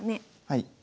はい。